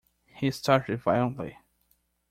He started violently.